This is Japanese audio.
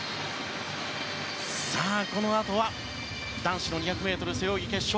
さあ、このあとは男子の２００ｍ背泳ぎ決勝。